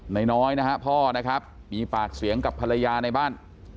น้อยนะฮะพ่อนะครับมีปากเสียงกับภรรยาในบ้าน